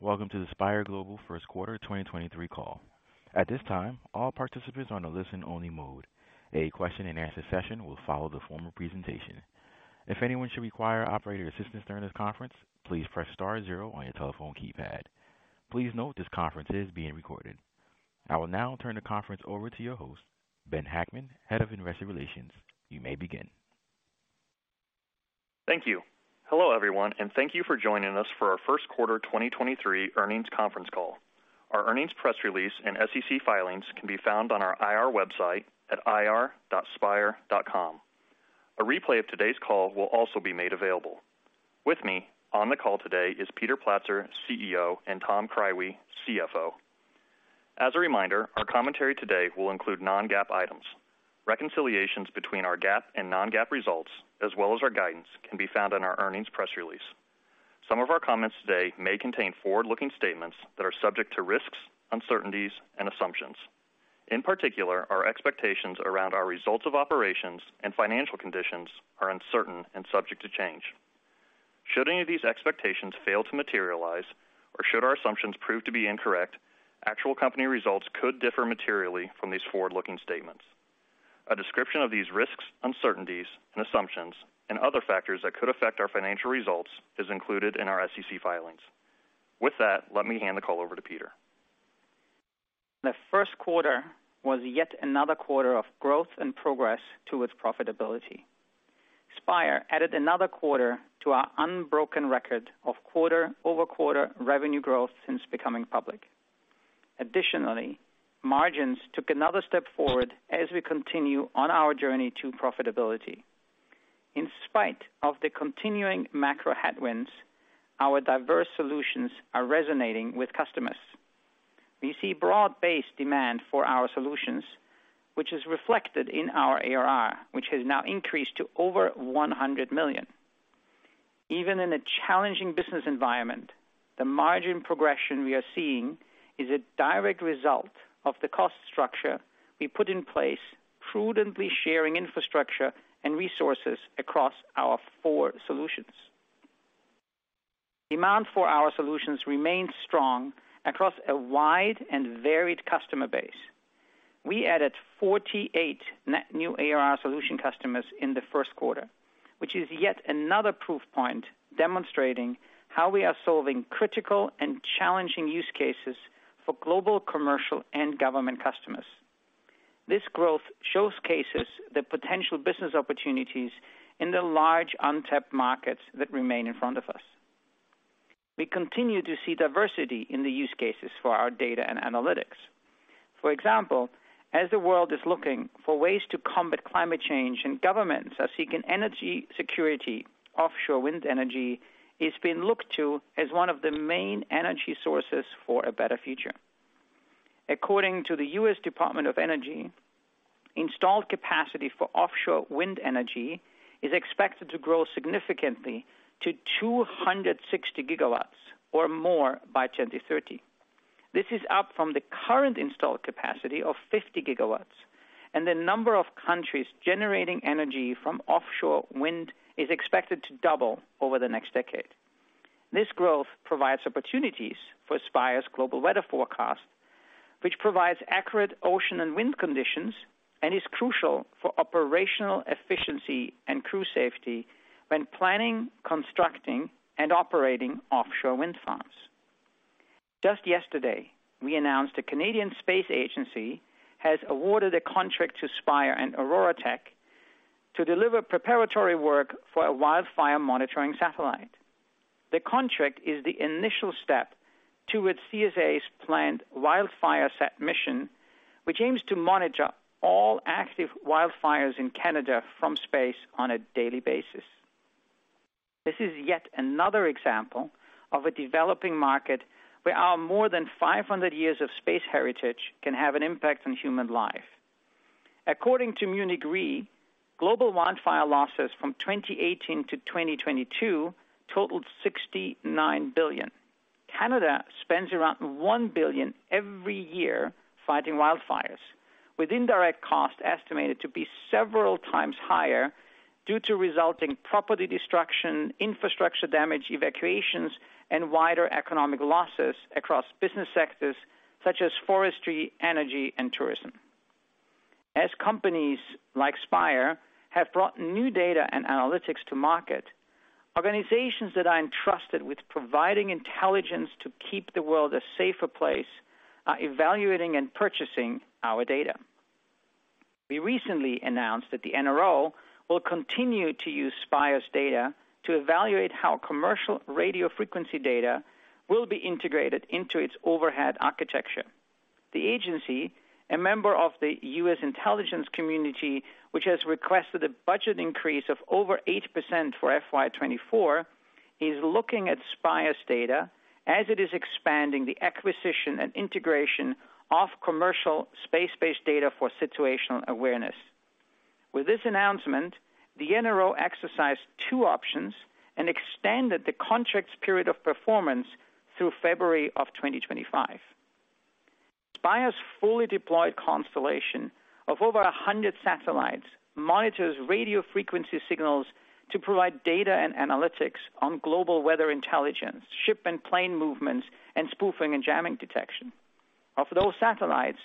Welcome to the Spire Global first quarter 2023 call. At this time, all participants are on a listen only mode. A question-and-answer session will follow the formal presentation. If anyone should require operator assistance during this conference, please press star zero on your telephone keypad. Please note this conference is being recorded. I will now turn the conference over to your host, Ben Hackman, Head of Investor Relations. You may begin. Thank you. Hello, everyone, and thank you for joining us for our first quarter 2023 earnings conference call. Our earnings press release and SEC filings can be found on our IR website at ir.spire.com. A replay of today's call will also be made available. With me on the call today is Peter Platzer, CEO, and Tom Krywe, CFO. As a reminder, our commentary today will include non-GAAP items. Reconciliations between our GAAP and non-GAAP results, as well as our guidance, can be found on our earnings press release. Some of our comments today may contain forward-looking statements that are subject to risks, uncertainties and assumptions. In particular, our expectations around our results of operations and financial conditions are uncertain and subject to change. Should any of these expectations fail to materialize, or should our assumptions prove to be incorrect, actual company results could differ materially from these forward-looking statements. A description of these risks, uncertainties and assumptions, and other factors that could affect our financial results is included in our SEC filings. With that, let me hand the call over to Peter. The first quarter was yet another quarter of growth and progress to its profitability. Spire added another quarter to our unbroken record of quarter-over-quarter revenue growth since becoming public. Additionally, margins took another step forward as we continue on our journey to profitability. In spite of the continuing macro headwinds, our diverse solutions are resonating with customers. We see broad-based demand for our solutions, which is reflected in our ARR, which has now increased to over $100 million. Even in a challenging business environment, the margin progression we are seeing is a direct result of the cost structure we put in place, prudently sharing infrastructure and resources across our four solutions. Demand for our solutions remains strong across a wide and varied customer base. We added 48 net new ARR solution customers in the first quarter, which is yet another proof point demonstrating how we are solving critical and challenging use cases for global, commercial and government customers. This growth showcases the potential business opportunities in the large untapped markets that remain in front of us. We continue to see diversity in the use cases for our data and analytics. For example, as the world is looking for ways to combat climate change and governments are seeking energy security, offshore wind energy is being looked to as one of the main energy sources for a better future. According to the US Department of Energy, installed capacity for offshore wind energy is expected to grow significantly to 260 gigawatts or more by 2030. This is up from the current installed capacity of 50 gigawatts. The number of countries generating energy from offshore wind is expected to double over the next decade. This growth provides opportunities for Spire's global weather forecast, which provides accurate ocean and wind conditions and is crucial for operational efficiency and crew safety when planning, constructing and operating offshore wind farms. Just yesterday, we announced the Canadian Space Agency has awarded a contract to Spire and OroraTech to deliver preparatory work for a wildfire monitoring satellite. The contract is the initial step toward CSA's planned WildFireSat mission, which aims to monitor all active wildfires in Canada from space on a daily basis. This is yet another example of a developing market where our more than 500 years of space heritage can have an impact on human life. According to Munich Re, global wildfire losses from 2018 to 2022 totaled $69 billion. Canada spends around $1 billion every year fighting wildfires, with indirect costs estimated to be several times higher due to resulting property destruction, infrastructure damage, evacuations, and wider economic losses across business sectors such as forestry, energy and tourism. As companies like Spire have brought new data and analytics to market, organizations that are entrusted with providing intelligence to keep the world a safer place are evaluating and purchasing our data. We recently announced that the NRO will continue to use Spire's data to evaluate how commercial radio frequency data will be integrated into its overhead architecture. The agency, a member of the US Intelligence Community, which has requested a budget increase of over 8% for FY 2024, is looking at Spire's data as it is expanding the acquisition and integration of commercial space-based data for situational awareness. With this announcement, the NRO exercised two options and extended the contract's period of performance through February of 2025. Spire's fully deployed constellation of over 100 satellites monitors radio frequency signals to provide data and analytics on global weather intelligence, ship and plane movements, and spoofing and jamming detection. Of those satellites,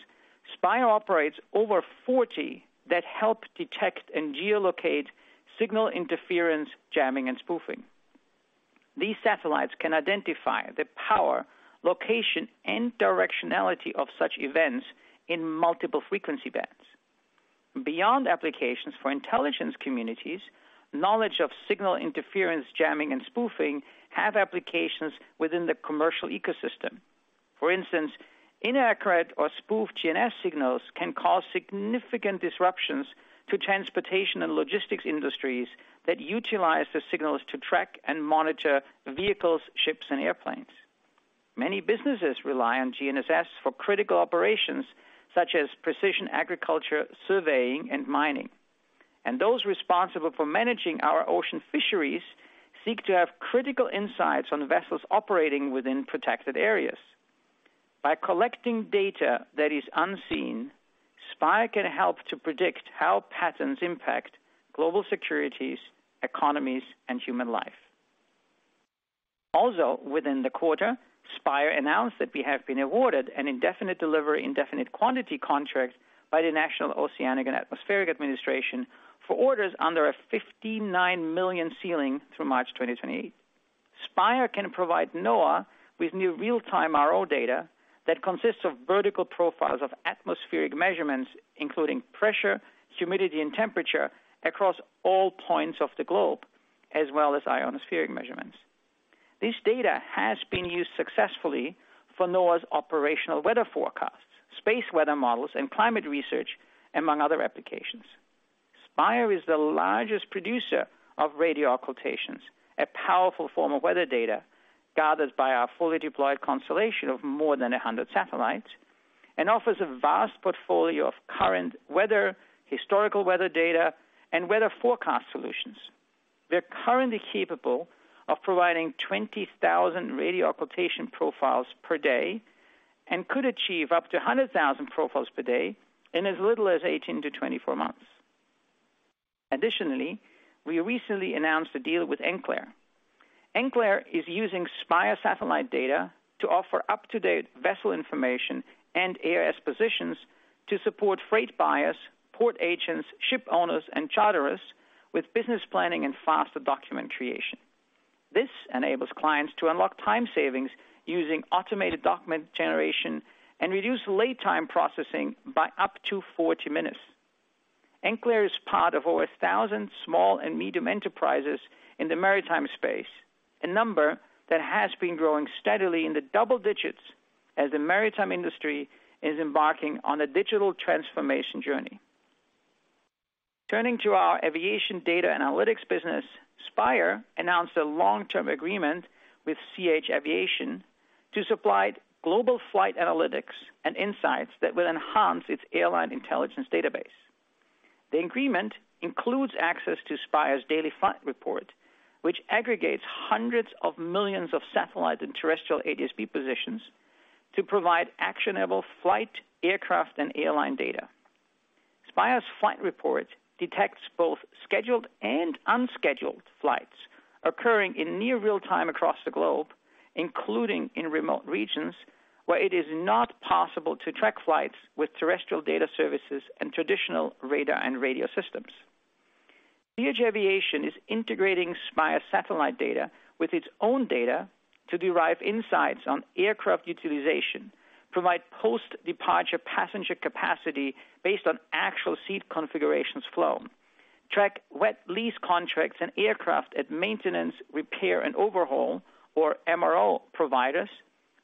Spire operates over 40 that help detect and geolocate signal interference, jamming, and spoofing. These satellites can identify the power, location, and directionality of such events in multiple frequency bands. Beyond applications for intelligence communities, knowledge of signal interference, jamming, and spoofing have applications within the commercial ecosystem. For instance, inaccurate or spoofed GNSS signals can cause significant disruptions to transportation and logistics industries that utilize the signals to track and monitor vehicles, ships, and airplanes. Many businesses rely on GNSS for critical operations such as precision agriculture, surveying, and mining. Those responsible for managing our ocean fisheries seek to have critical insights on vessels operating within protected areas. By collecting data that is unseen, Spire can help to predict how patterns impact global securities, economies, and human life. Within the quarter, Spire announced that we have been awarded an indefinite delivery, indefinite quantity contract by the National Oceanic and Atmospheric Administration for orders under a $59 million ceiling through March 2028. Spire can provide NOAA with new real-time RO data that consists of vertical profiles of atmospheric measurements, including pressure, humidity, and temperature across all points of the globe, as well as ionospheric measurements. This data has been used successfully for NOAA's operational weather forecasts, space weather models, and climate research, among other applications. Spire is the largest producer of radio occultations, a powerful form of weather data gathered by our fully deployed constellation of more than 100 satellites, and offers a vast portfolio of current weather, historical weather data, and weather forecast solutions. We're currently capable of providing 20,000 radio occultation profiles per day and could achieve up to 100,000 profiles per day in as little as 18-24 months. Additionally, we recently announced a deal with Enqlare. Enqlare is using Spire satellite data to offer up-to-date vessel information and AIS positions to support freight buyers, port agents, ship owners, and charterers with business planning and faster document creation. This enables clients to unlock time savings using automated document generation and reduce lay time processing by up to 40 minutes. Enqlare is part of over 1,000 small and medium enterprises in the maritime space, a number that has been growing steadily in the double digits as the maritime industry is embarking on a digital transformation journey. Turning to our aviation data analytics business, Spire announced a long-term agreement with ch-aviation to supply global flight analytics and insights that will enhance its airline intelligence database. The agreement includes access to Spire's daily Flight Report, which aggregates hundreds of millions of satellite and terrestrial ADS-B positions to provide actionable flight, aircraft, and airline data. Spire's flight report detects both scheduled and unscheduled flights occurring in near real-time across the globe, including in remote regions where it is not possible to track flights with terrestrial data services and traditional radar and radio systems. ch-aviation is integrating Spire satellite data with its own data to derive insights on aircraft utilization, provide post-departure passenger capacity based on actual seat configurations flown, track wet lease contracts and aircraft at maintenance, repair, and overhaul or MRO providers,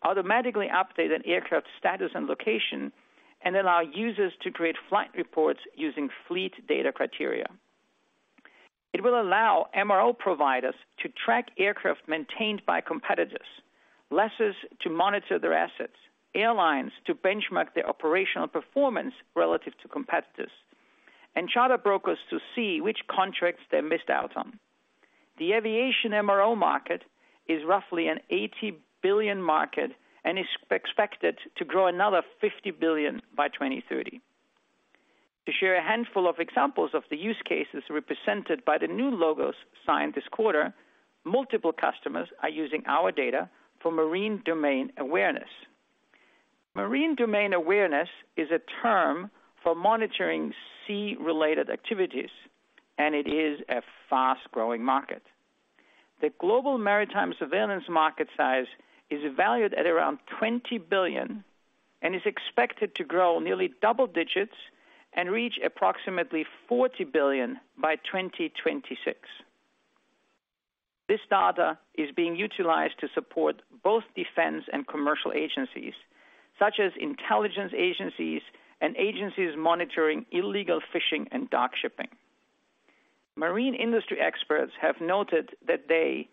automatically update an aircraft status and location, and allow users to create flight reports using fleet data criteria. It will allow MRO providers to track aircraft maintained by competitors, lessors to monitor their assets, airlines to benchmark their operational performance relative to competitors, and charter brokers to see which contracts they missed out on. The aviation MRO market is roughly an $80 billion market and is expected to grow another $50 billion by 2030. To share a handful of examples of the use cases represented by the new logos signed this quarter, multiple customers are using our data for marine domain awareness. Marine domain awareness is a term for monitoring sea-related activities, and it is a fast-growing market. The global maritime surveillance market size is valued at around $20 billion and is expected to grow nearly double digits and reach approximately $40 billion by 2026. This data is being utilized to support both defense and commercial agencies, such as intelligence agencies and agencies monitoring illegal fishing and dark shipping. Marine industry experts have noted that they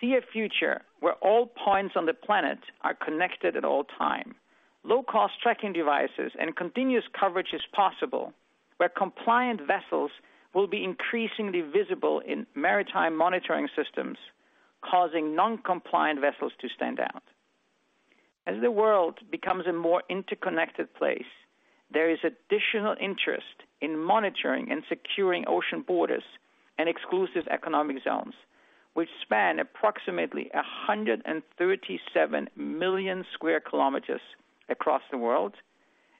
see a future where all points on the planet are connected at all time. Low-cost tracking devices and continuous coverage is possible, where compliant vessels will be increasingly visible in maritime monitoring systems. Causing non-compliant vessels to stand out. The world becomes a more interconnected place, there is additional interest in monitoring and securing ocean borders and exclusive economic zones, which span approximately 137 million square kilometers across the world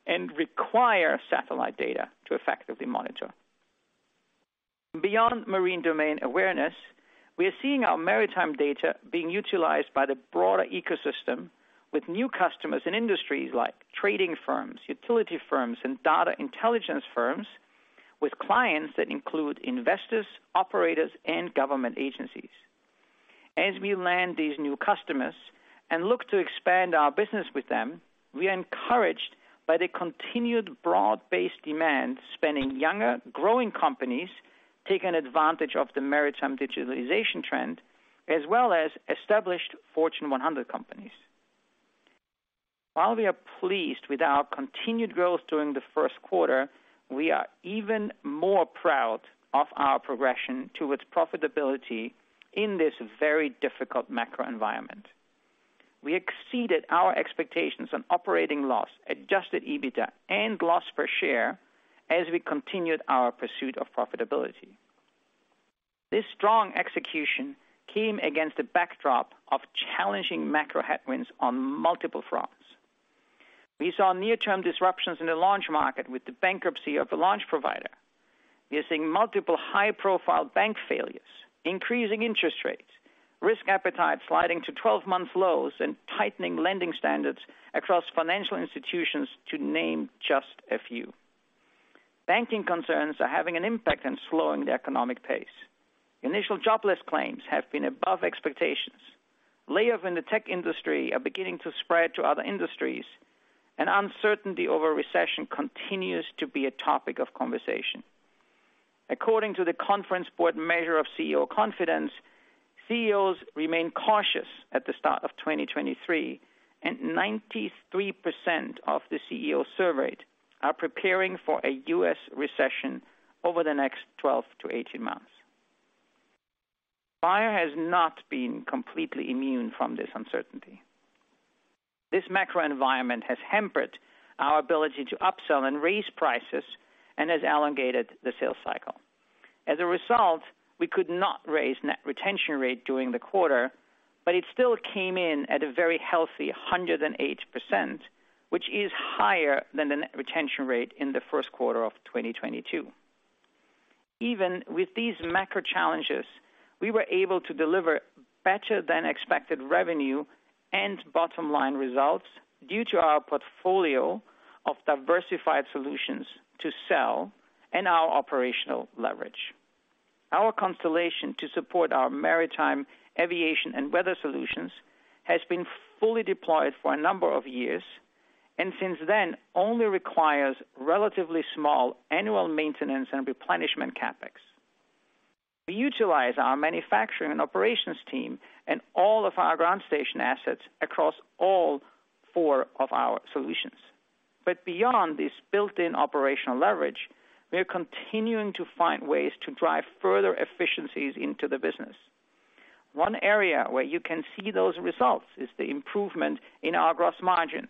and require satellite data to effectively monitor. Beyond marine domain awareness, we are seeing our maritime data being utilized by the broader ecosystem with new customers in industries like trading firms, utility firms, and data intelligence firms with clients that include investors, operators, and government agencies. We land these new customers and look to expand our business with them, we are encouraged by the continued broad-based demand spending younger, growing companies taking advantage of the maritime digitalization trend, as well as established Fortune 100 companies. While we are pleased with our continued growth during the first quarter, we are even more proud of our progression towards profitability in this very difficult macro environment. We exceeded our expectations on operating loss, adjusted EBITDA and loss per share as we continued our pursuit of profitability. This strong execution came against the backdrop of challenging macro headwinds on multiple fronts. We saw near-term disruptions in the launch market with the bankruptcy of the launch provider. We are seeing multiple high-profile bank failures, increasing interest rates, risk appetite sliding to 12-month lows and tightening lending standards across financial institutions to name just a few. Banking concerns are having an impact on slowing the economic pace. Initial jobless claims have been above expectations. Layoffs in the tech industry are beginning to spread to other industries, and uncertainty over recession continues to be a topic of conversation. According to The Conference Board measure of CEO confidence, CEOs remain cautious at the start of 2023. 93% of the CEO surveyed are preparing for a U.S. recession over the next 12-18 months. Spire has not been completely immune from this uncertainty. This macro environment has hampered our ability to upsell and raise prices and has elongated the sales cycle. As a result, we could not raise net retention rate during the quarter. It still came in at a very healthy 108%, which is higher than the net retention rate in the first quarter of 2022. Even with these macro challenges, we were able to deliver better than expected revenue and bottom-line results due to our portfolio of diversified solutions to sell and our operational leverage. Our constellation to support our maritime aviation and weather solutions has been fully deployed for a number of years. Since then only requires relatively small annual maintenance and replenishment CapEx. We utilize our manufacturing and operations team and all of our ground station assets across all four of our solutions. Beyond this built-in operational leverage, we are continuing to find ways to drive further efficiencies into the business. One area where you can see those results is the improvement in our gross margins,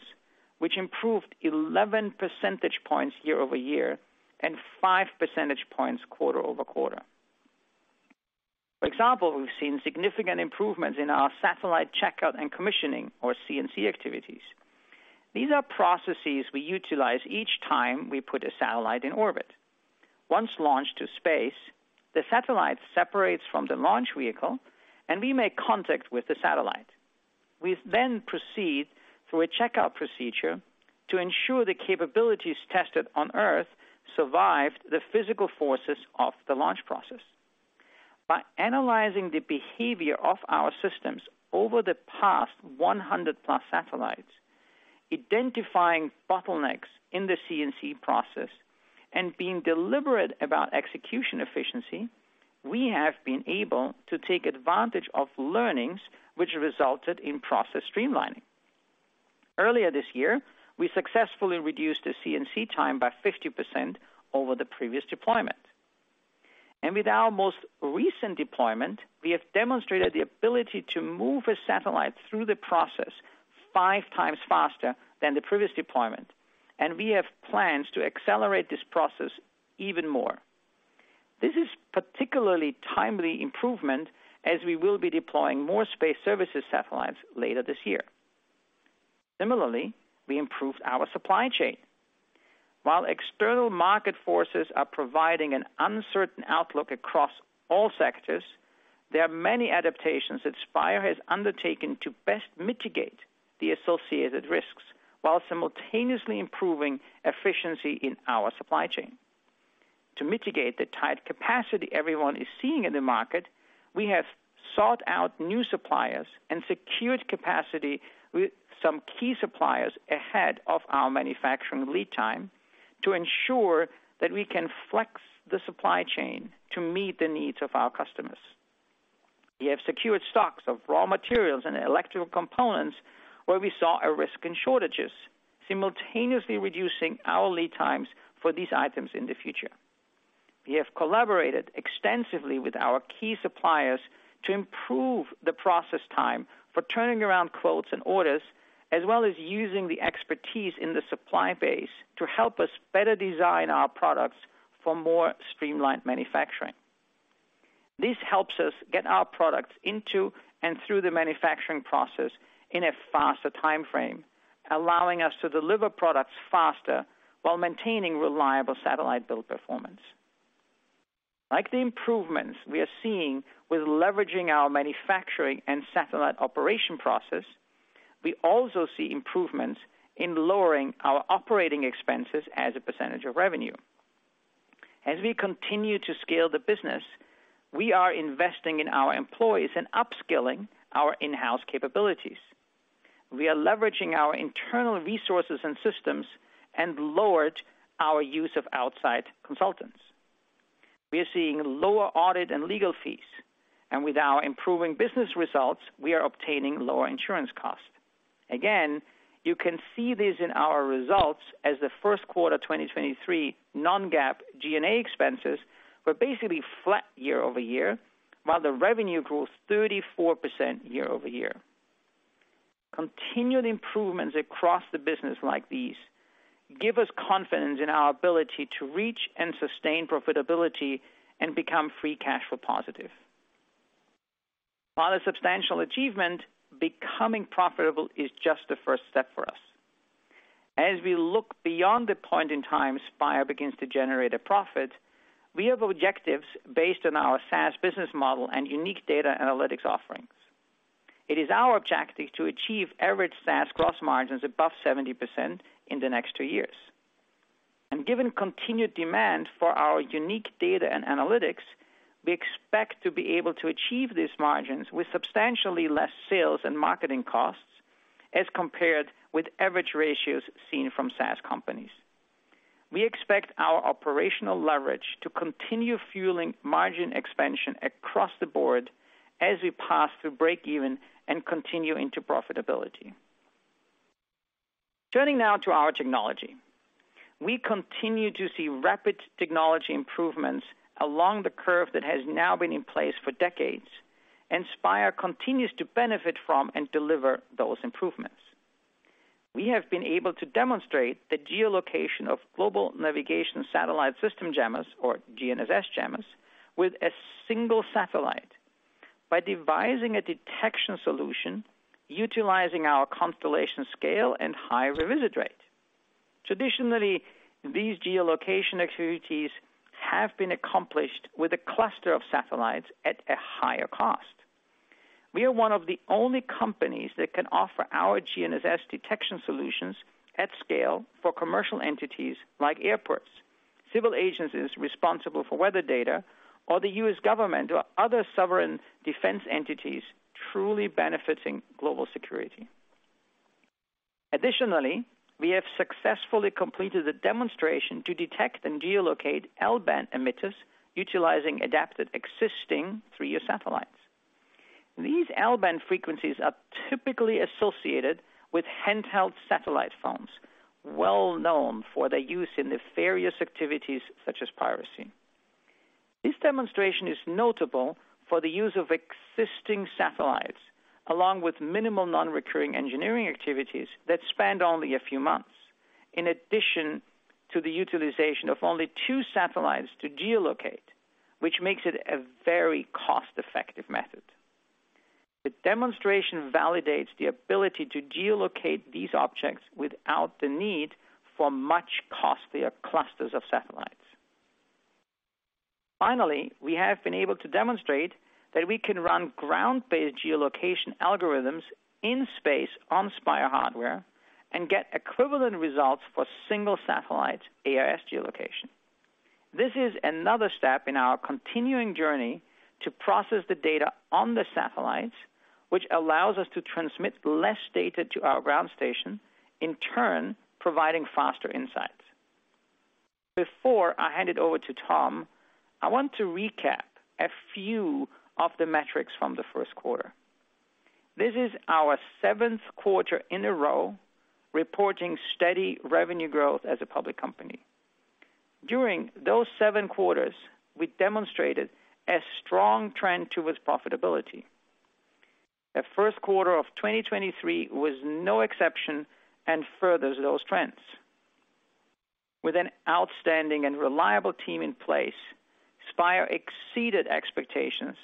which improved 11 percentage points year-over-year and 5 percentage points quarter-over-quarter. For example, we've seen significant improvements in our satellite checkout and commissioning or C&C activities. These are processes we utilize each time we put a satellite in orbit. Once launched to space, the satellite separates from the launch vehicle and we make contact with the satellite. We then proceed through a checkout procedure to ensure the capabilities tested on Earth survived the physical forces of the launch process. By analyzing the behavior of our systems over the past 100+ satellites, identifying bottlenecks in the C&C process and being deliberate about execution efficiency, we have been able to take advantage of learnings which resulted in process streamlining. Earlier this year, we successfully reduced the C&C time by 50% over the previous deployment. With our most recent deployment, we have demonstrated the ability to move a satellite through the process 5 times faster than the previous deployment, and we have plans to accelerate this process even more. This is particularly timely improvement as we will be deploying more space services satellites later this year. Similarly, we improved our supply chain. While external market forces are providing an uncertain outlook across all sectors, there are many adaptations that Spire has undertaken to best mitigate the associated risks while simultaneously improving efficiency in our supply chain. To mitigate the tight capacity everyone is seeing in the market, we have sought out new suppliers and secured capacity with some key suppliers ahead of our manufacturing lead time to ensure that we can flex the supply chain to meet the needs of our customers. We have secured stocks of raw materials and electrical components where we saw a risk in shortages, simultaneously reducing our lead times for these items in the future. We have collaborated extensively with our key suppliers to improve the process time for turning around quotes and orders, as well as using the expertise in the supply base to help us better design our products for more streamlined manufacturing. This helps us get our products into and through the manufacturing process in a faster time frame, allowing us to deliver products faster while maintaining reliable satellite build performance. Like the improvements we are seeing with leveraging our manufacturing and satellite operation process, we also see improvements in lowering our operating expenses as a percentage of revenue. As we continue to scale the business, we are investing in our employees and upskilling our in-house capabilities. We are leveraging our internal resources and systems and lowered our use of outside consultants. We are seeing lower audit and legal fees, and with our improving business results, we are obtaining lower insurance costs. You can see this in our results as the first quarter 2023 non-GAAP G&A expenses were basically flat year-over-year, while the revenue grows 34% year-over-year. Continued improvements across the business like these give us confidence in our ability to reach and sustain profitability and become free cash flow positive. While a substantial achievement, becoming profitable is just the first step for us. As we look beyond the point in time Spire begins to generate a profit, we have objectives based on our SaaS business model and unique data analytics offerings. It is our objective to achieve average SaaS gross margins above 70% in the next 2 years. Given continued demand for our unique data and analytics, we expect to be able to achieve these margins with substantially less sales and marketing costs as compared with average ratios seen from SaaS companies. We expect our operational leverage to continue fueling margin expansion across the board as we pass through breakeven and continue into profitability. Turning now to our technology. We continue to see rapid technology improvements along the curve that has now been in place for decades. Spire continues to benefit from and deliver those improvements. We have been able to demonstrate the geolocation of global navigation satellite system jammers or GNSS jammers with a single satellite by devising a detection solution utilizing our constellation scale and high revisit rate. Traditionally, these geolocation activities have been accomplished with a cluster of satellites at a higher cost. We are one of the only companies that can offer our GNSS detection solutions at scale for commercial entities like airports, civil agencies responsible for weather data or the U.S. government or other sovereign defense entities truly benefiting global security. We have successfully completed a demonstration to detect and geolocate L-band emitters utilizing adapted existing three-year satellites. These L-band frequencies are typically associated with handheld satellite phones well known for their use in nefarious activities such as piracy. This demonstration is notable for the use of existing satellites, along with minimal non-recurring engineering activities that spanned only a few months. In addition to the utilization of only two satellites to geolocate, which makes it a very cost-effective method. The demonstration validates the ability to geolocate these objects without the need for much costlier clusters of satellites. Finally, we have been able to demonstrate that we can run ground-based geolocation algorithms in space on Spire hardware and get equivalent results for single satellite AIS geolocation. This is another step in our continuing journey to process the data on the satellites, which allows us to transmit less data to our ground station, in turn, providing faster insights. Before I hand it over to Tom, I want to recap a few of the metrics from the first quarter. This is our seventh quarter in a row reporting steady revenue growth as a public company. During those seven quarters, we demonstrated a strong trend towards profitability. The first quarter of 2023 was no exception and furthers those trends. With an outstanding and reliable team in place, Spire exceeded expectations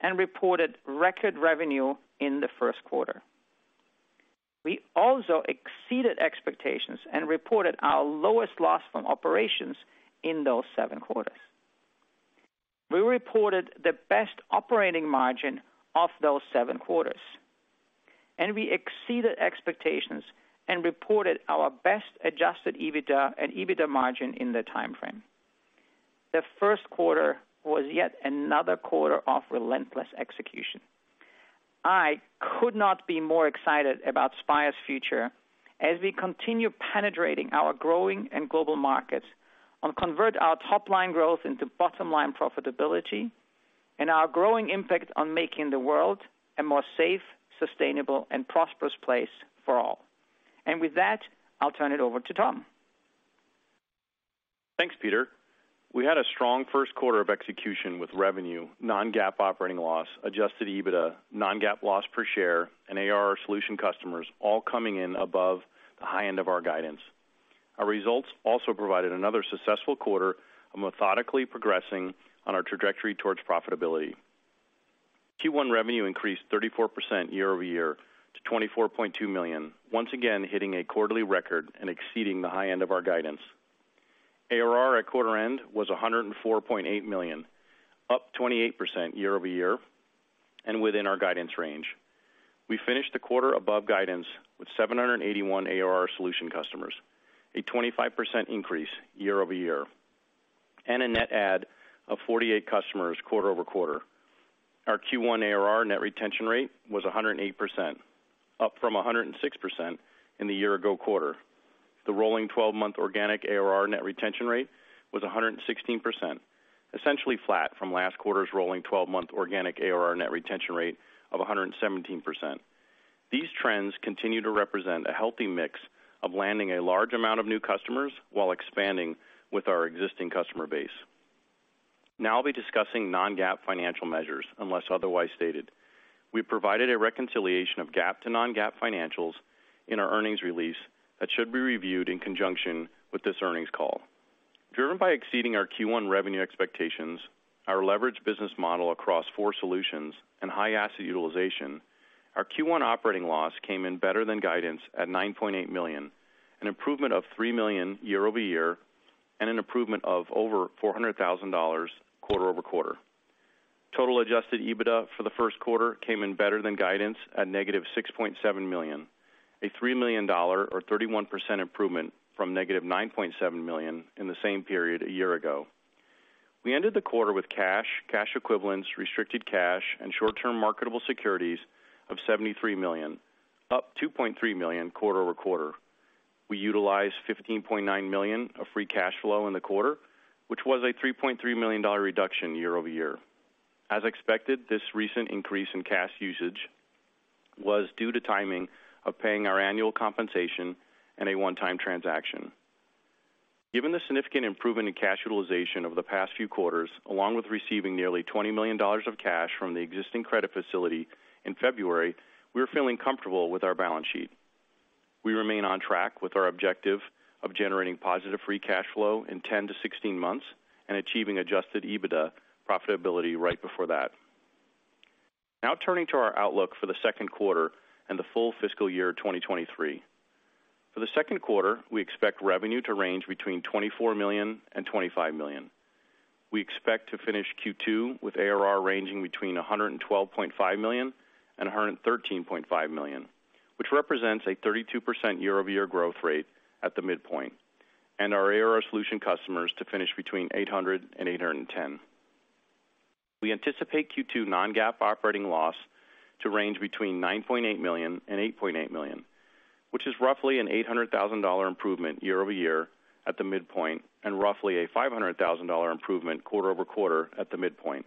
and reported record revenue in the first quarter. We also exceeded expectations and reported our lowest loss from operations in those seven quarters. We reported the best operating margin of those seven quarters, and we exceeded expectations and reported our best adjusted EBITDA and EBITDA margin in the time frame. The first quarter was yet another quarter of relentless execution. I could not be more excited about Spire's future as we continue penetrating our growing and global markets and convert our top-line growth into bottom-line profitability and our growing impact on making the world a more safe, sustainable, and prosperous place for all. With that, I'll turn it over to Tom. Thanks, Peter. We had a strong first quarter of execution with revenue, non-GAAP operating loss, adjusted EBITDA, non-GAAP loss per share, and ARR solution customers all coming in above the high end of our guidance. Our results also provided another successful quarter of methodically progressing on our trajectory towards profitability. Q1 revenue increased 34% year-over-year to $24.2 million, once again hitting a quarterly record and exceeding the high end of our guidance. ARR at quarter end was $104.8 million, up 28% year-over-year and within our guidance range. We finished the quarter above guidance with 781 ARR solution customers, a 25% increase year-over-year, and a net add of 48 customers quarter-over-quarter. Our Q1 ARR net retention rate was 108%, up from 106% in the year-ago quarter. The rolling 12-month organic ARR net retention rate was 116%, essentially flat from last quarter's rolling 12-month organic ARR net retention rate of 117%. These trends continue to represent a healthy mix of landing a large amount of new customers while expanding with our existing customer base. I'll be discussing non-GAAP financial measures, unless otherwise stated. We provided a reconciliation of GAAP to non-GAAP financials in our earnings release that should be reviewed in conjunction with this earnings call. Driven by exceeding our Q1 revenue expectations, our leveraged business model across four solutions, and high asset utilization, our Q1 operating loss came in better than guidance at $9.8 million, an improvement of $3 million year-over-year, and an improvement of over $400 thousand quarter-over-quarter. Total adjusted EBITDA for the first quarter came in better than guidance at negative $6.7 million, a $3 million or 31% improvement from negative $9.7 million in the same period a year ago. We ended the quarter with cash equivalents, restricted cash, and short-term marketable securities of $73 million, up $2.3 million quarter-over-quarter. We utilized $15.9 million of free cash flow in the quarter, which was a $3.3 million reduction year-over-year. As expected, this recent increase in cash usage was due to timing of paying our annual compensation and a one-time transaction. Given the significant improvement in cash utilization over the past few quarters, along with receiving nearly $20 million of cash from the existing credit facility in February, we're feeling comfortable with our balance sheet. We remain on track with our objective of generating positive free cash flow in 10-16 months and achieving adjusted EBITDA profitability right before that. Turning to our outlook for the second quarter and the full fiscal year 2023. For the second quarter, we expect revenue to range between $24 million and $25 million. We expect to finish Q2 with ARR ranging between $112.5 million and $113.5 million, which represents a 32% year-over-year growth rate at the midpoint, and our ARR solution customers to finish between 800 and 810. We anticipate Q2 non-GAAP operating loss to range between $9.8 million and $8.8 million, which is roughly an $800,000 improvement year-over-year at the midpoint and roughly a $500,000 improvement quarter-over-quarter at the midpoint.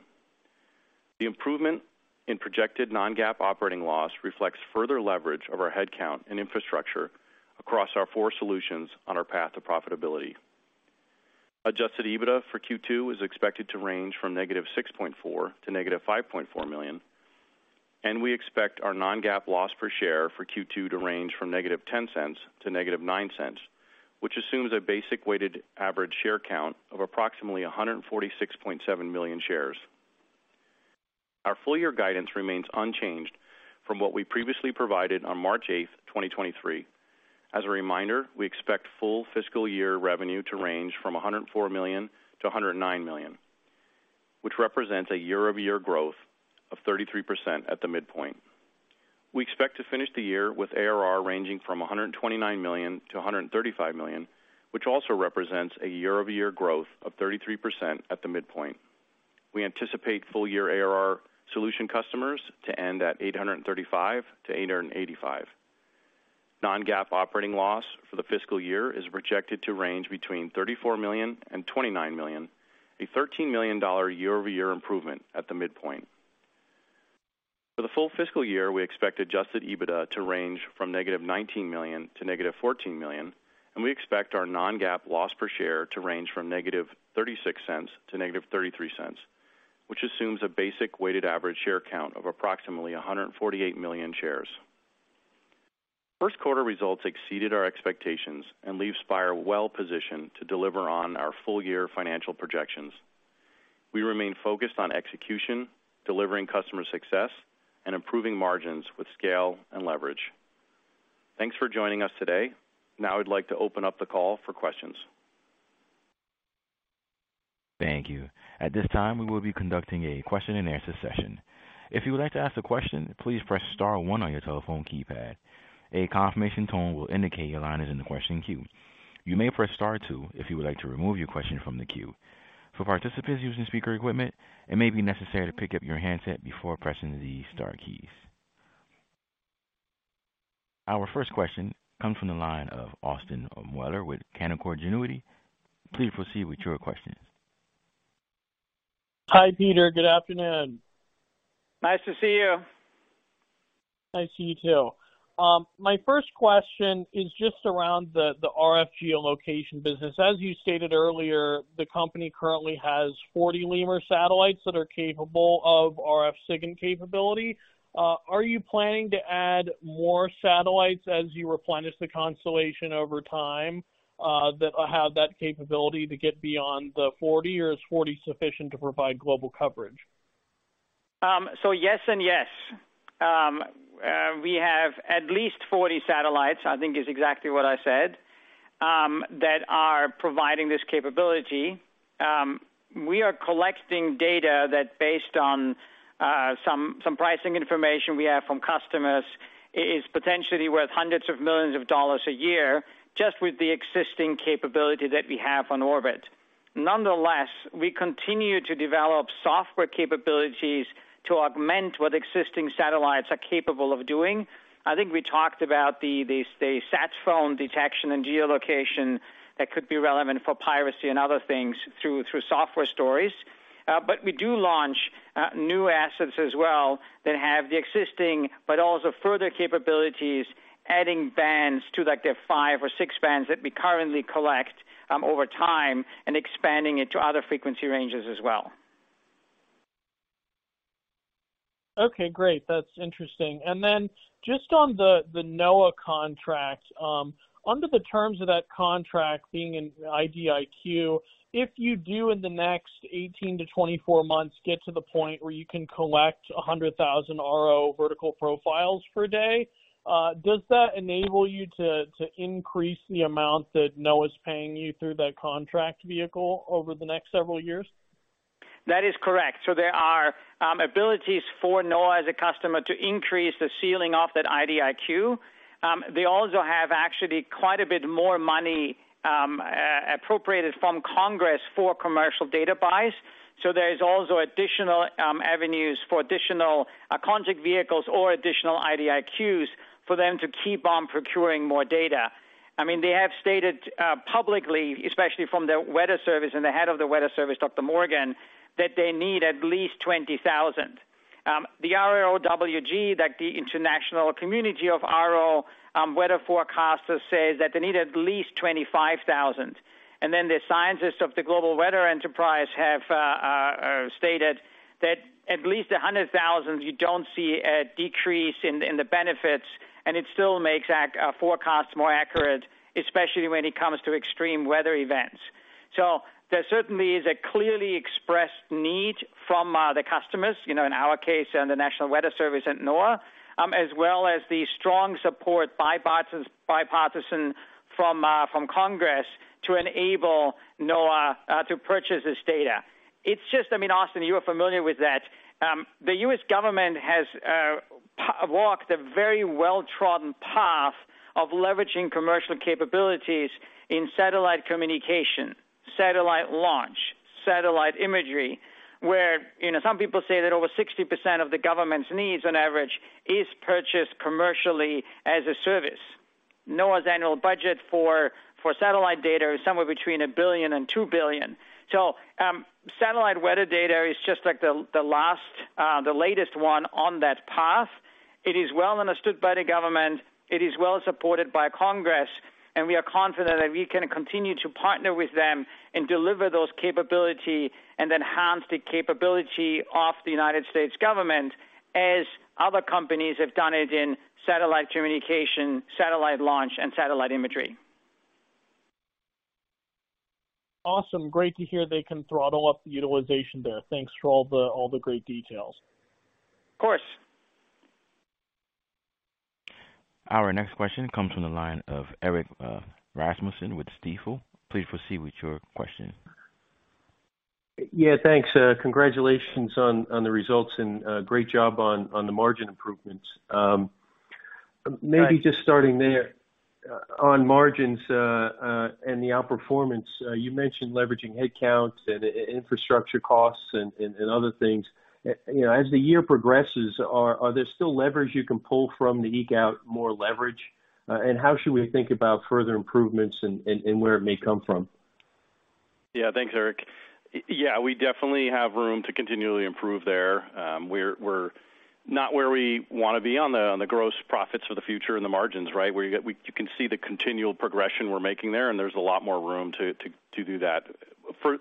The improvement in projected non-GAAP operating loss reflects further leverage of our headcount and infrastructure across our four solutions on our path to profitability. Adjusted EBITDA for Q2 is expected to range from -$6.4 million- -$5.4 million, and we expect our non-GAAP loss per share for Q2 to range from -$0.10- -$0.09, which assumes a basic weighted average share count of approximately 146.7 million shares. Our full year guidance remains unchanged from what we previously provided on March 8, 2023. As a reminder, we expect full fiscal year revenue to range from $104 million-$109 million, which represents a year-over-year growth of 33% at the midpoint. We expect to finish the year with ARR ranging from $129 million-$135 million, which also represents a year-over-year growth of 33% at the midpoint. We anticipate full year ARR solution customers to end at 835-885. Non-GAAP operating loss for the fiscal year is projected to range between $34 million and $29 million, a $13 million year-over-year improvement at the midpoint. For the full fiscal year, we expect adjusted EBITDA to range from -$19 million- -$14 million. We expect our non-GAAP loss per share to range from -$0.36- -$0.33, which assumes a basic weighted average share count of approximately 148 million shares. First quarter results exceeded our expectations and leave Spire well positioned to deliver on our full year financial projections. We remain focused on execution, delivering customer success, and improving margins with scale and leverage. Thanks for joining us today. I'd like to open up the call for questions. Thank you. At this time, we will be conducting a question and answer session. If you would like to ask a question, please press star one on your telephone keypad. A confirmation tone will indicate your line is in the question queue. You may press star two if you would like to remove your question from the queue. For participants using speaker equipment, it may be necessary to pick up your handset before pressing the star keys. Our first question comes from the line of Austin Moeller with Canaccord Genuity. Please proceed with your question. Hi, Peter. Good afternoon. Nice to see you. Nice to see you too. My first question is just around the RF geolocation business. As you stated earlier, the company currently has 40 LEMUR satellites that are capable of RF SIGINT capability. Are you planning to add more satellites as you replenish the constellation over time, that have that capability to get beyond the 40, or is 40 sufficient to provide global coverage? Yes and yes. We have at least 40 satellites, I think is exactly what I said, that are providing this capability. We are collecting data that based on some pricing information we have from customers is potentially worth hundreds of millions of dollars a year just with the existing capability that we have on orbit. Nonetheless, we continue to develop software capabilities to augment what existing satellites are capable of doing. I think we talked about the sat phone detection and geolocation that could be relevant for piracy and other things through software stories. But we do launch new assets as well that have the existing but also further capabilities, adding bands to, like, the 5 or 6 bands that we currently collect, over time and expanding it to other frequency ranges as well. Okay, great. That's interesting. Then just on the NOAA contract, under the terms of that contract being an IDIQ, if you do in the next 18-24 months, get to the point where you can collect 100,000 RO vertical profiles per day, does that enable you to increase the amount that NOAA's paying you through that contract vehicle over the next several years? That is correct. There are abilities for NOAA as a customer to increase the ceiling of that IDIQ. They also have actually quite a bit more money appropriated from Congress for commercial data buys. There is also additional avenues for additional contract vehicles or additional IDIQs for them to keep on procuring more data. I mean, they have stated publicly, especially from their weather service and the head of the weather service, Dr. Morgan, that they need at least 20,000. The IROWG, like the international community of RO, weather forecasters say that they need at least 25,000. The scientists of the Global Weather Enterprise have stated that at least 100,000, you don't see a decrease in the benefits, and it still makes forecasts more accurate, especially when it comes to extreme weather events. There certainly is a clearly expressed need from the customers, you know, in our case, the National Weather Service at NOAA, as well as the strong support bipartisan from Congress to enable NOAA to purchase this data. It's just. I mean, Austin, you are familiar with that. The U.S. government has walked a very well-trodden path of leveraging commercial capabilities in satellite communication, satellite launch, satellite imagery, where, you know, some people say that over 60% of the government's needs on average is purchased commercially as a service. NOAA's annual budget for satellite data is somewhere between $1 billion and $2 billion. Satellite weather data is just like the latest one on that path. It is well understood by the government. It is well supported by Congress, and we are confident that we can continue to partner with them and deliver those capability and enhance the capability of the United States government as other companies have done it in satellite communication, satellite launch, and satellite imagery. Awesome. Great to hear they can throttle up the utilization there. Thanks for all the great details. Of course. Our next question comes from the line of Erik Rasmussen with Stifel. Please proceed with your question. Yeah, thanks. Congratulations on the results and great job on the margin improvements. Thanks. Maybe just starting there, on margins, and the outperformance. You mentioned leveraging headcounts and infrastructure costs and other things. You know, as the year progresses, are there still levers you can pull from to eke out more leverage? And how should we think about further improvements and where it may come from? Thanks, Erik. We definitely have room to continually improve there. We're not where we wanna be on the gross profits for the future and the margins, right? You can see the continual progression we're making there's a lot more room to do that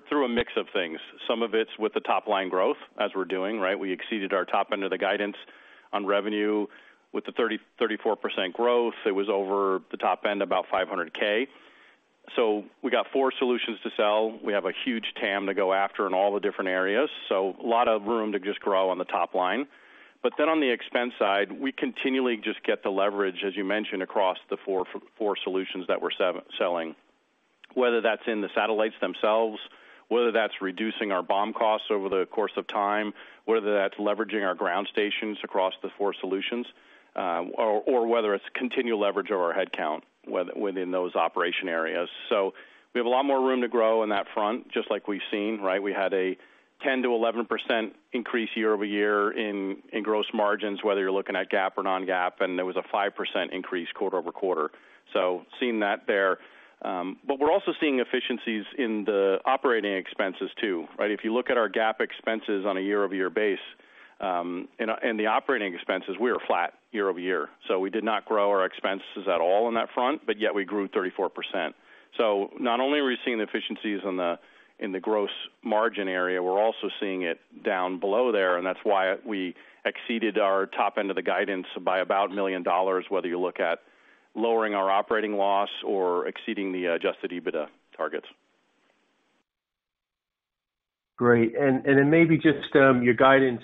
through a mix of things. Some of it's with the top-line growth as we're doing, right? We exceeded our top end of the guidance on revenue with the 34% growth. It was over the top end, about $500K. We got 4 solutions to sell. We have a huge TAM to go after in all the different areas, a lot of room to just grow on the top line. On the expense side, we continually just get the leverage, as you mentioned, across the four solutions that we're selling, whether that's in the satellites themselves, whether that's reducing our BOM costs over the course of time, whether that's leveraging our ground stations across the four solutions, or whether it's continual leverage of our headcount within those operation areas. We have a lot more room to grow on that front, just like we've seen, right? We had a 10%-11% increase year-over-year in gross margins, whether you're looking at GAAP or non-GAAP, and there was a 5% increase quarter-over-quarter. Seeing that there. We're also seeing efficiencies in the operating expenses too, right? If you look at our GAAP expenses on a year-over-year. The operating expenses, we are flat year-over-year. We did not grow our expenses at all on that front, but yet we grew 34%. Not only are we seeing the efficiencies in the gross margin area, we are also seeing it down below there, and that is why we exceeded our top end of the guidance by about $1 million, whether you look at lowering our operating loss or exceeding the adjusted EBITDA targets. Great. Then maybe just, you know, your guidance,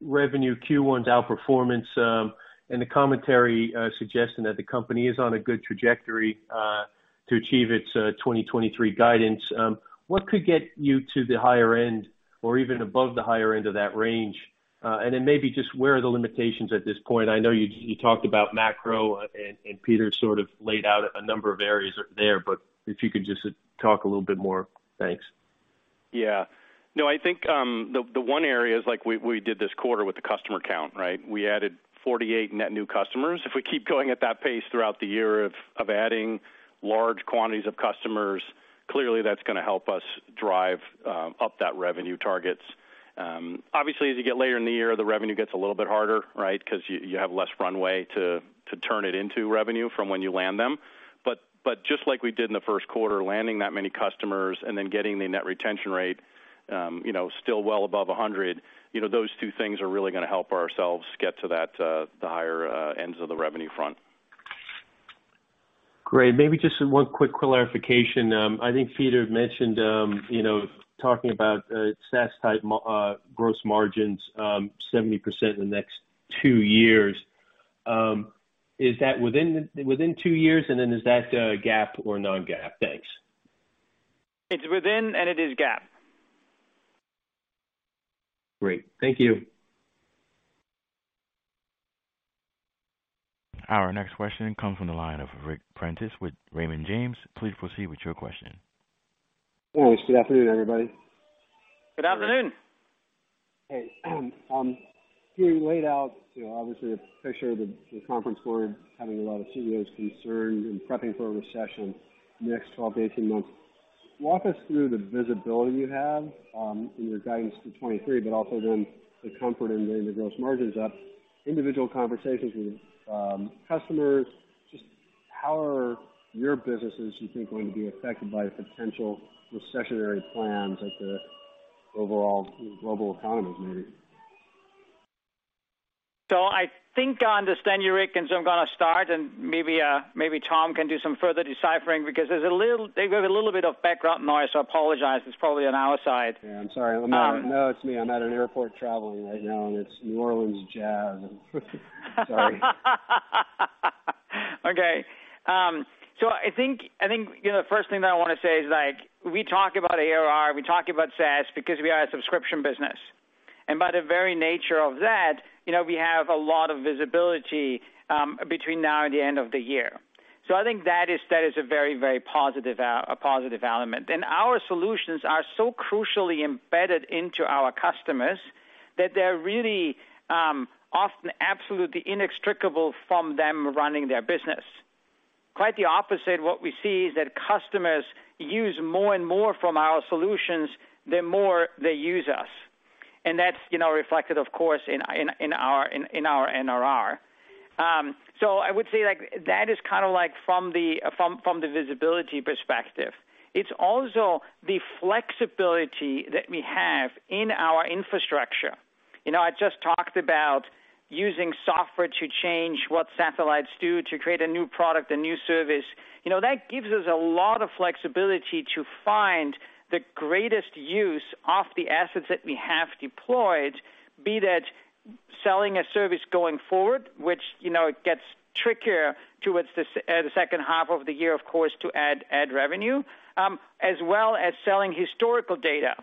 revenue Q1's outperformance, and the commentary suggesting that the company is on a good trajectory to achieve its 2023 guidance. What could get you to the higher end or even above the higher end of that range? Then maybe just where are the limitations at this point? I know you talked about macro and Peter sort of laid out a number of areas there, but if you could just talk a little bit more. Thanks. Yeah. No, I think the one area is like we did this quarter with the customer count, right? We added 48 net new customers. If we keep going at that pace throughout the year of adding large quantities of customers, clearly that's gonna help us drive up that revenue targets. Obviously, as you get later in the year, the revenue gets a little bit harder, right? 'Cause you have less runway to turn it into revenue from when you land them. Just like we did in the first quarter, landing that many customers and then getting the net retention rate, you know, still well above 100, you know, those two things are really gonna help ourselves get to that the higher ends of the revenue front. Great. Maybe just one quick clarification. I think Peter mentioned, talking about SaaS-type gross margins, 70% in the next 2 years. Is that within 2 years? Is that GAAP or non-GAAP? Thanks. It's within, and it is GAAP. Great. Thank you. Our next question comes from the line of Ric Prentiss with Raymond James. Please proceed with your question. Thanks. Good afternoon, everybody. Good afternoon. Hey. You laid out, you know, obviously the picture of The Conference Board having a lot of CEOs concerned and prepping for a recession in the next 12-18 months. Walk us through the visibility you have in your guidance to 2023, but also then the comfort in bringing the gross margins up, individual conversations with customers. Just how are your businesses, do you think, going to be affected by the potential recessionary plans of the overall global economies, maybe? I think I understand you, Rick. I'm gonna start. Maybe, maybe Tom can do some further deciphering because they've a little bit of background noise. I apologize. It's probably on our side. Yeah. I'm sorry. No, it's me. I'm at an airport traveling right now, and it's New Orleans jazz. Sorry. Okay. I think, you know, the first thing that I wanna say is, like, we talk about ARR, we talk about SaaS because we are a subscription business. By the very nature of that, you know, we have a lot of visibility between now and the end of the year. I think that is a very, very positive a positive element. Our solutions are so crucially embedded into our customers that they're really often absolutely inextricable from them running their business. Quite the opposite, what we see is that customers use more and more from our solutions, the more they use us. That's, you know, reflected of course, in our NRR. I would say, like, that is kinda like from the visibility perspective. It's also the flexibility that we have in our infrastructure. You know, I just talked about using software to change what satellites do to create a new product, a new service. You know, that gives us a lot of flexibility to find the greatest use of the assets that we have deployed, be that selling a service going forward, which, you know, it gets trickier towards the second half of the year, of course, to add revenue, as well as selling historical data.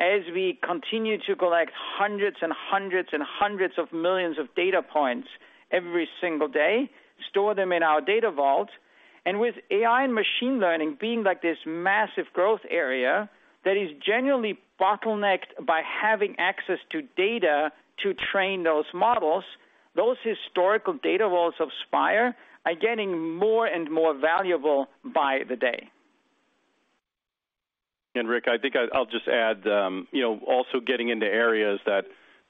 As we continue to collect hundreds and hundreds and hundreds of millions of data points every single day, store them in our data vault, and with AI and machine learning being like this massive growth area that is genuinely bottlenecked by having access to data to train those models, those historical data vaults of Spire are getting more and more valuable by the day. Rick, I think I'll just add, you know, also getting into areas that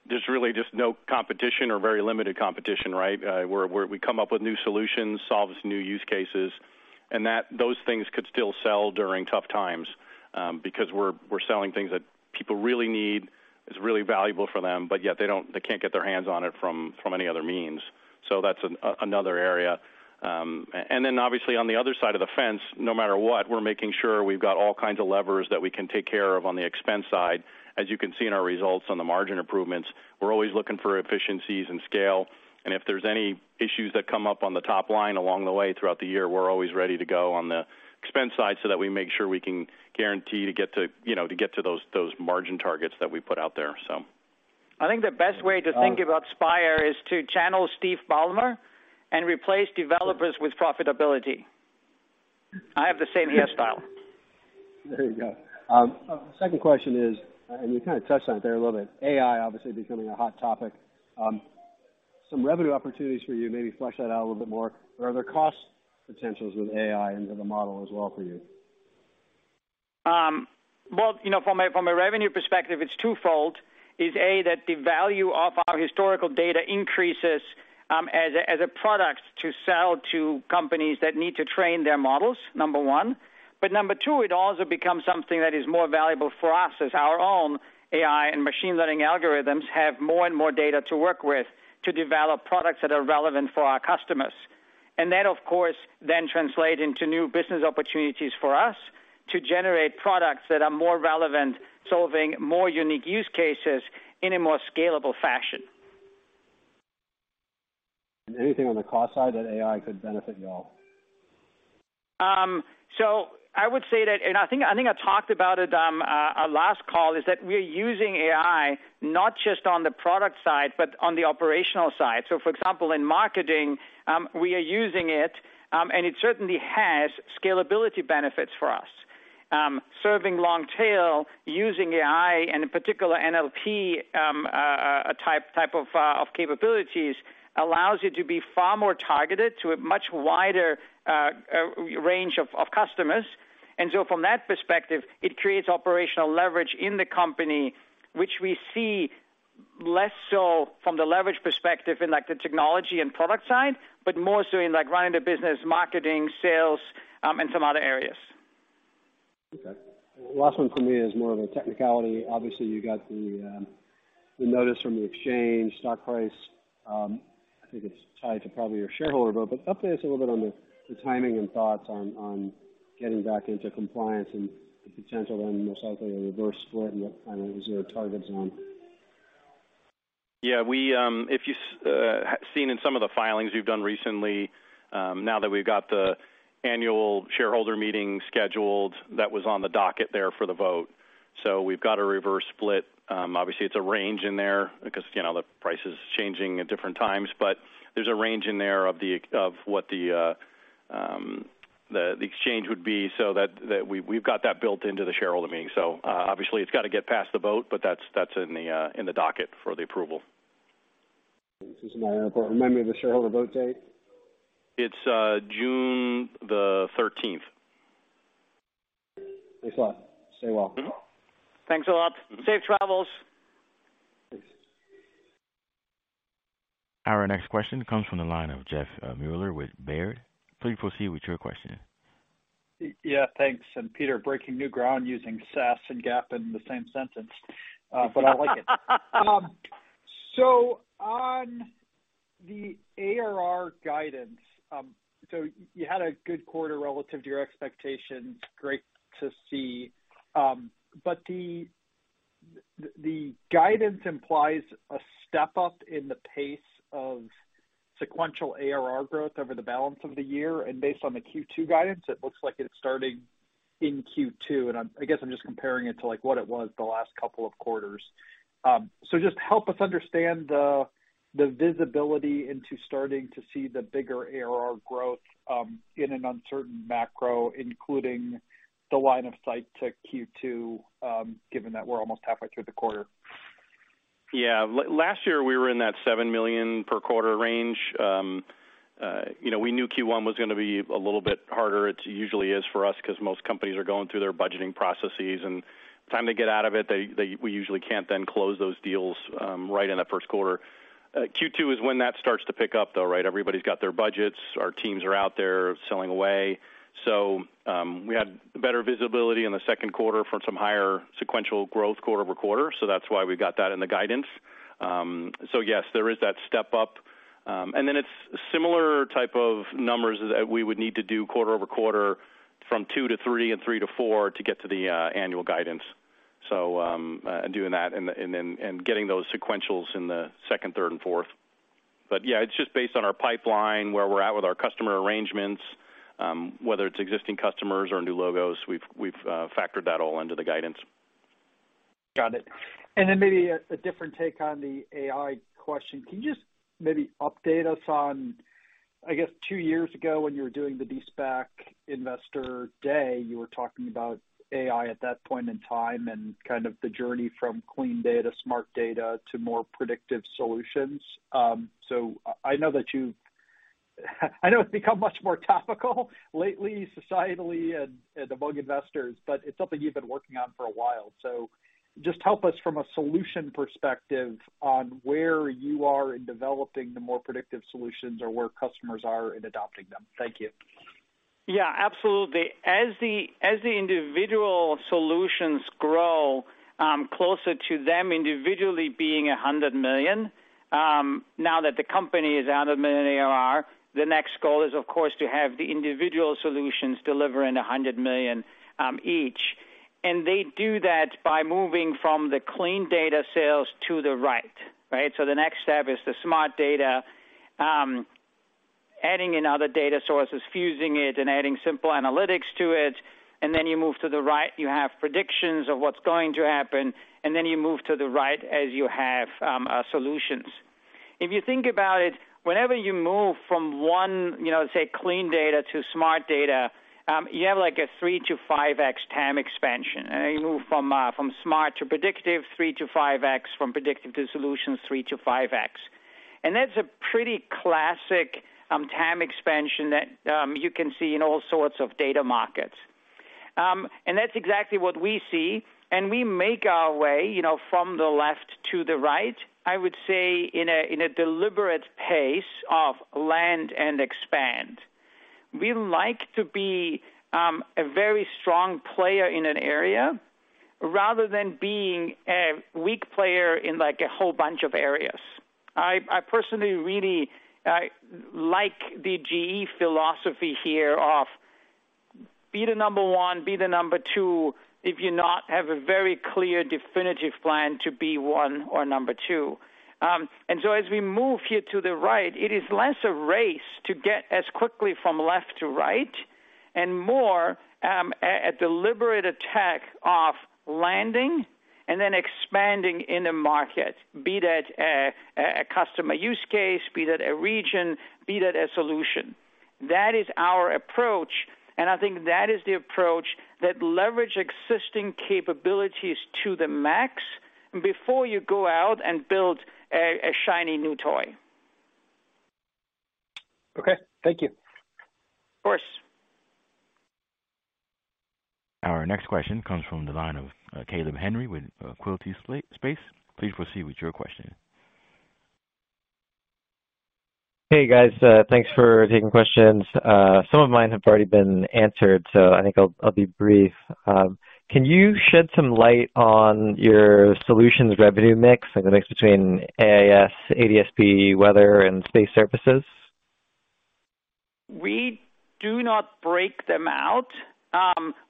there's really just no competition or very limited competition, right? Where we come up with new solutions, solves new use cases, and those things could still sell during tough times, because we're selling things that people really need. It's really valuable for them, but yet they can't get their hands on it from any other means. That's another area. Then obviously on the other side of the fence, no matter what, we're making sure we've got all kinds of levers that we can take care of on the expense side. As you can see in our results on the margin improvements, we're always looking for efficiencies and scale. If there's any issues that come up on the top line along the way throughout the year, we're always ready to go on the expense side so that we make sure we can guarantee to get to, you know, to get to those margin targets that we put out there. I think the best way to think about Spire is to channel Steve Ballmer and replace developers with profitability. I have the same hairstyle. There you go. Second question is, you kinda touched on it there a little bit. AI obviously becoming a hot topic. Some revenue opportunities for you, maybe flesh that out a little bit more. Are there cost potentials with AI into the model as well for you? Well, you know, from a revenue perspective, it's twofold. Is A, that the value of our historical data increases as a product to sell to companies that need to train their models, number one. Number two, it also becomes something that is more valuable for us as our own AI and machine learning algorithms have more and more data to work with to develop products that are relevant for our customers. That, of course, then translate into new business opportunities for us to generate products that are more relevant, solving more unique use cases in a more scalable fashion. Anything on the cost side that AI could benefit y'all? I would say that, I think I talked about it last call, is that we're using AI not just on the product side, but on the operational side. For example, in marketing, we are using it, and it certainly has scalability benefits for us. Serving long tail, using AI and in particular NLP, type of capabilities allows you to be far more targeted to a much wider range of customers. From that perspective, it creates operational leverage in the company, which we see less so from the leverage perspective in, like, the technology and product side, but more so in, like, running the business, marketing, sales, and some other areas. Okay. Last one for me is more of a technicality. Obviously, you got the notice from the exchange stock price. I think it's tied to probably your shareholder vote. Update us a little bit on the timing and thoughts on getting back into compliance and the potential then most likely a reverse split and what kind of reserve targets on. Yeah. We, if you have seen in some of the filings we've done recently, now that we've got the annual shareholder meeting scheduled, that was on the docket there for the vote. We've got a reverse split. Obviously it's a range in there because, you know, the price is changing at different times. There's a range in there of what the exchange would be so that we've got that built into the shareholder meeting. Obviously it's got to get past the vote, but that's in the docket for the approval. This is my report. Remind me of the shareholder vote date. It's, June 13th. Thanks a lot. Stay well. Mm-hmm. Thanks a lot. Safe travels. Thanks. Our next question comes from the line of Jeff Meuler with Baird. Please proceed with your question. Yeah, thanks. Peter, breaking new ground using SaaS and GAAP in the same sentence, I like it. On the ARR guidance, you had a good quarter relative to your expectations. Great to see. The guidance implies a step up in the pace of sequential ARR growth over the balance of the year. Based on the Q2 guidance, it looks like it's starting in Q2. I guess I'm just comparing it to, like, what it was the last couple of quarters. Just help us understand the visibility into starting to see the bigger ARR growth in an uncertain macro, including the line of sight to Q2, given that we're almost halfway through the quarter. Last year we were in that $7 million per quarter range. You know, we knew Q1 was gonna be a little bit harder. It usually is for us 'cause most companies are going through their budgeting processes, and time to get out of it, they usually can't then close those deals right in the first quarter. Q2 is when that starts to pick up, though, right? Everybody's got their budgets. Our teams are out there selling away. We had better visibility in the second quarter for some higher sequential growth quarter-over-quarter, so that's why we've got that in the guidance. Yes, there is that step up. It's similar type of numbers that we would need to do quarter-over-quarter from 2 to 3 and 3 to 4 to get to the annual guidance. Doing that and then, and getting those sequentials in the second, third and fourth. Yeah, it's just based on our pipeline, where we're at with our customer arrangements, whether it's existing customers or new logos. We've factored that all into the guidance. Got it. Then maybe a different take on the AI question. Can you just maybe update us on, I guess two years ago when you were doing the SPAC Investor Day, you were talking about AI at that point in time and kind of the journey from clean data, smart data, to more predictive solutions. I know it's become much more topical lately, societally and among investors, but it's something you've been working on for a while. Just help us from a solution perspective on where you are in developing the more predictive solutions or where customers are in adopting them. Thank you. Yeah, absolutely. As the individual solutions grow, closer to them individually being $100 million, now that the company is out of million ARR, the next goal is of course, to have the individual solutions delivering $100 million each. They do that by moving from the clean data sales to the right? The next step is the smart data, adding in other data sources, fusing it and adding simple analytics to it, and then you move to the right, you have predictions of what's going to happen, and then you move to the right as you have solutions. If you think about it, whenever you move from one, you know, say clean data to smart data, you have like a 3x-5x TAM expansion. You move from from smart to predictive, 3x-5x. From predictive to solutions, 3x-5x. That's a pretty classic TAM expansion that you can see in all sorts of data markets. That's exactly what we see, and we make our way, you know, from the left to the right, I would say in a deliberate pace of land and expand. We like to be a very strong player in an area rather than being a weak player in, like, a whole bunch of areas. I personally really like the GE philosophy here of be the number one, be the number two. If you're not, have a very clear definitive plan to be one or number two. As we move here to the right, it is less a race to get as quickly from left to right and more, a deliberate attack of landing and then expanding in a market. Be that a customer use case, be that a region, be that a solution. That is our approach, and I think that is the approach that leverage existing capabilities to the max before you go out and build a shiny new toy. Okay. Thank you. Of course. Our next question comes from the line of Caleb Henry with Quilty Space. Please proceed with your question. Hey, guys. Thanks for taking questions. Some of mine have already been answered, so I think I'll be brief. Can you shed some light on your solutions revenue mix and the mix between AIS, ADS-B, weather and space services? We do not break them out.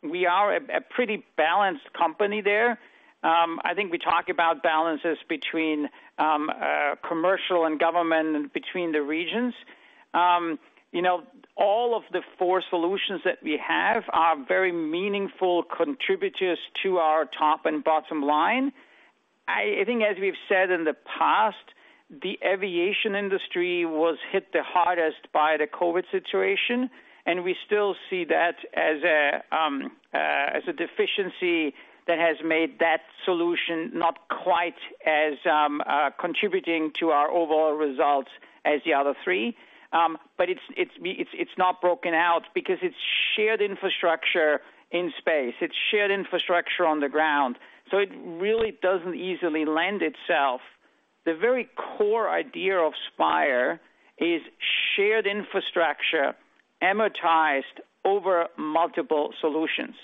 We are a pretty balanced company there. I think we talk about balances between commercial and government and between the regions. You know, all of the four solutions that we have are very meaningful contributors to our top and bottom line. I think as we've said in the past, the aviation industry was hit the hardest by the COVID situation, we still see that as a deficiency that has made that solution not quite as contributing to our overall results as the other three. It's not broken out because it's shared infrastructure in space. It's shared infrastructure on the ground. It really doesn't easily lend itself. The very core idea of Spire is shared infrastructure amortized over multiple solutions,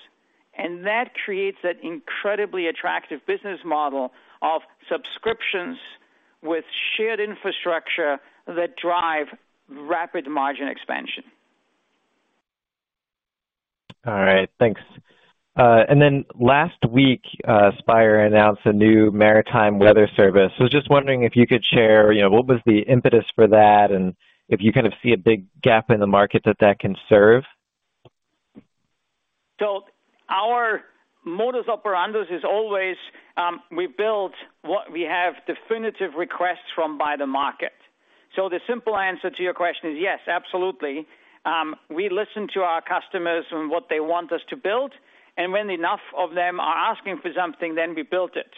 and that creates an incredibly attractive business model of subscriptions with shared infrastructure that drive rapid margin expansion. All right. Thanks. Last week, Spire announced a new maritime weather service. Just wondering if you could share, you know, what was the impetus for that and if you kind of see a big gap in the market that can serve. Our modus operandi is always, we build what we have definitive requests from by the market. The simple answer to your question is yes, absolutely. We listen to our customers and what they want us to build, and when enough of them are asking for something, then we built it.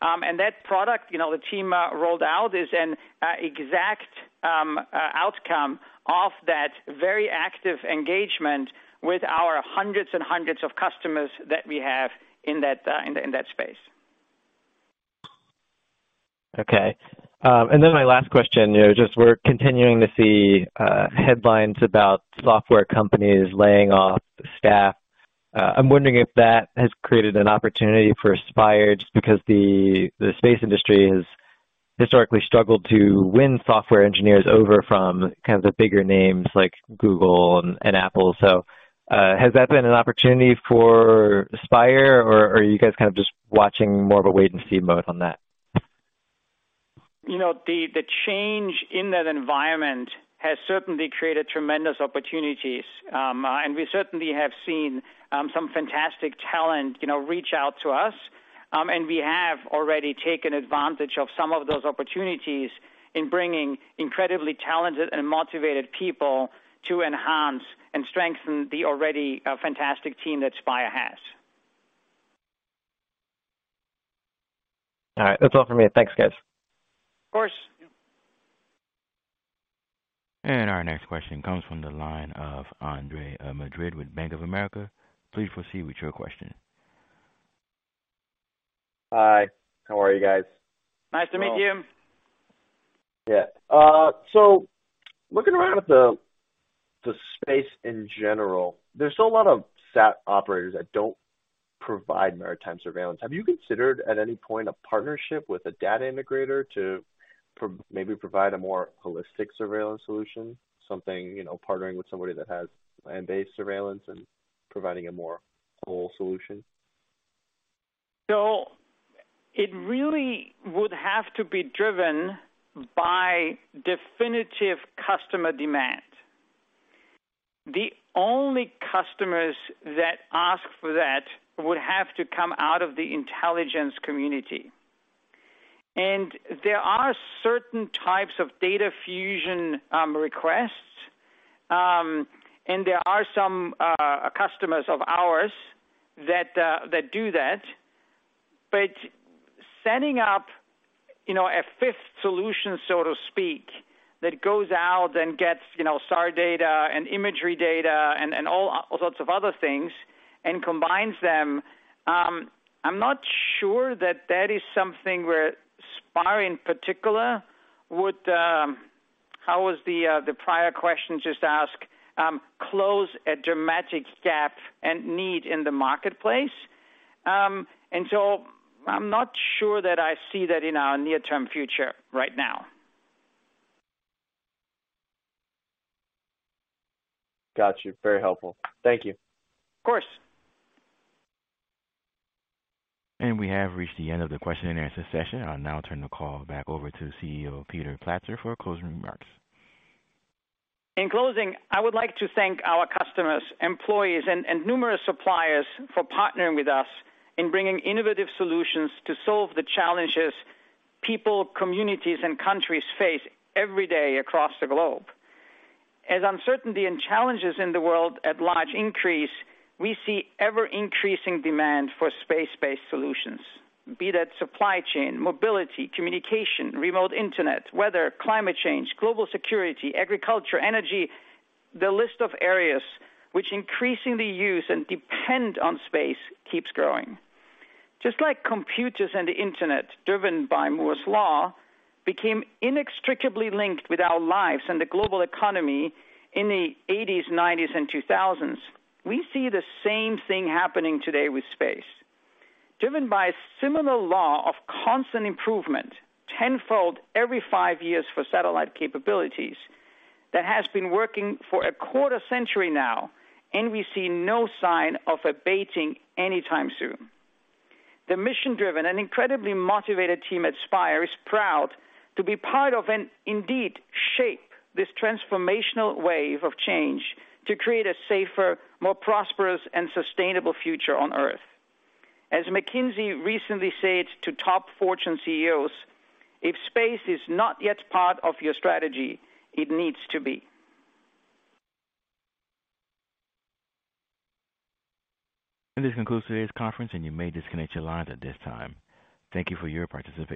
That product, you know, the team rolled out is an exact outcome of that very active engagement with our hundreds and hundreds of customers that we have in that space. Okay. My last question. You know, just we're continuing to see headlines about software companies laying off staff. I'm wondering if that has created an opportunity for Spire just because the space industry has historically struggled to win software engineers over from kind of the bigger names like Google and Apple. Has that been an opportunity for Spire, or are you guys kind of just watching more of a wait and see mode on that? You know, the change in that environment has certainly created tremendous opportunities. We certainly have seen some fantastic talent, you know, reach out to us. We have already taken advantage of some of those opportunities in bringing incredibly talented and motivated people to enhance and strengthen the already fantastic team that Spire has. All right. That's all for me. Thanks, guys. Of course. Our next question comes from the line of Andre Madrid with Bank of America. Please proceed with your question. Hi. How are you guys? Nice to meet you. Yeah. Looking around at the space in general, there's a lot of sat operators that don't provide maritime surveillance. Have you considered at any point a partnership with a data integrator to maybe provide a more holistic surveillance solution? Something, you know, partnering with somebody that has land-based surveillance and providing a more whole solution. It really would have to be driven by definitive customer demand. The only customers that ask for that would have to come out of the Intelligence Community. There are certain types of data fusion, requests, and there are some customers of ours that do that. Setting up, you know, a fifth solution, so to speak, that goes out and gets, you know, SAR data and imagery data and all sorts of other things and combines them, I'm not sure that that is something where Spire in particular would, how was the prior question just asked, close a dramatic gap and need in the marketplace. I'm not sure that I see that in our near-term future right now. Got you. Very helpful. Thank you. Of course. We have reached the end of the question-and-answer session. I'll now turn the call back over to CEO Peter Platzer for closing remarks. In closing, I would like to thank our customers, employees and numerous suppliers for partnering with us in bringing innovative solutions to solve the challenges people, communities and countries face every day across the globe. As uncertainty and challenges in the world at large increase, we see ever-increasing demand for space-based solutions, be that supply chain, mobility, communication, remote internet, weather, climate change, global security, agriculture, energy. The list of areas which increasingly use and depend on space keeps growing. Just like computers and the internet, driven by Moore's Law, became inextricably linked with our lives and the global economy in the eighties, nineties and two thousands, we see the same thing happening today with space. Driven by a similar law of constant improvement, tenfold every five years for satellite capabilities, that has been working for a quarter century now, and we see no sign of abating anytime soon. The mission-driven and incredibly motivated team at Spire is proud to be part of and indeed shape this transformational wave of change to create a safer, more prosperous and sustainable future on Earth. As McKinsey recently said to top Fortune CEOs, "If space is not yet part of your strategy, it needs to be. This concludes today's conference, and you may disconnect your lines at this time. Thank you for your participation.